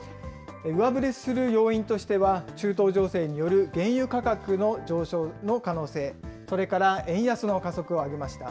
上振れする要因としては、中東情勢による原油価格の上昇の可能性、それから円安の加速を挙げました。